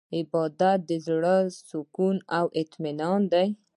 عبادت د زړه سکون او اطمینان دی.